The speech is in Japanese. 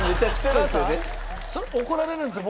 菅さん怒られるんですよ